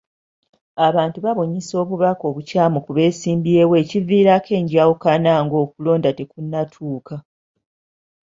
Abantu babunyisa obubaka obukyamu ku beesimbyewo ekiviirako enjawukana ng'okulonda tekunnatuuka.